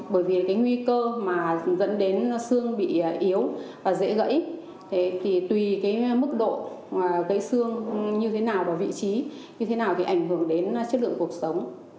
bởi vì cái nguy cơ mà dẫn đến xương bị yếu và dễ gãy thì tùy cái mức độ gây xương như thế nào và vị trí như thế nào thì ảnh hưởng đến chất lượng cuộc sống